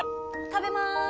食べます。